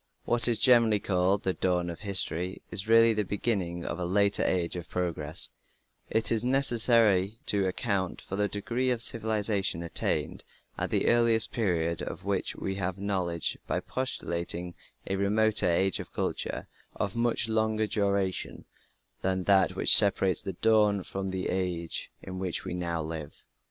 What is generally called the "Dawn of History" is really the beginning of a later age of progress; it is necessary to account for the degree of civilization attained at the earliest period of which we have knowledge by postulating a remoter age of culture of much longer duration than that which separates the "Dawn" from the age in which we now live.